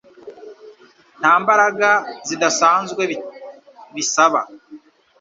nta mbaraga zidasanzwe bisaba